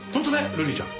瑠璃ちゃん。